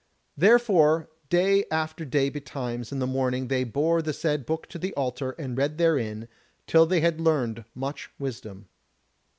Therefore day after day betimes in the morning they bore the said book to the altar and read therein, till they had learned much wisdom.